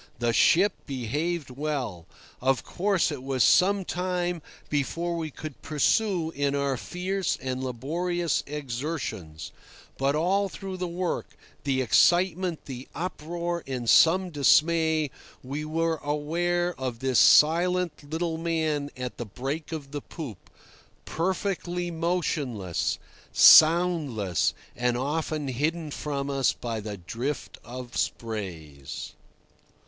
The ship behaved well. Of course, it was some time before we could pause in our fierce and laborious exertions; but all through the work, the excitement, the uproar, and some dismay, we were aware of this silent little man at the break of the poop, perfectly motionless, soundless, and often hidden from us by the drift of sprays.